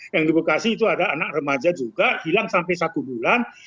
yang di bekasi itu ada anak remaja juga hilang sampai satu bulan